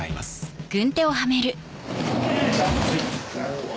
うわ！